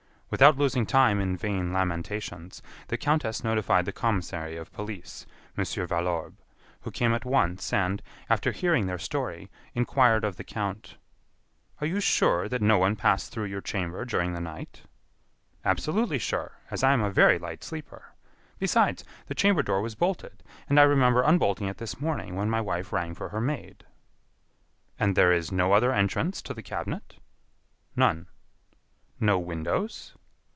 Without losing time in vain lamentations, the countess notified the commissary of police, Mon. Valorbe, who came at once, and, after hearing their story, inquired of the count: "Are you sure that no one passed through your chamber during the night?" "Absolutely sure, as I am a very light sleeper. Besides, the chamber door was bolted, and I remember unbolting it this morning when my wife rang for her maid." "And there is no other entrance to the cabinet?" "None." "No windows?"